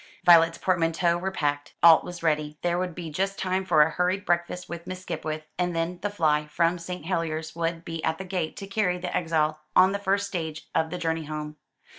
Violet's portmanteaux were packed. All was ready. There would be just time for a hurried breakfast with Miss Skipwith, and then the fly from St. Helier's would be at the gate to carry the exile on the first stage of the journey home.